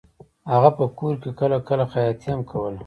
هغه په کور کې کله کله خیاطي هم کوله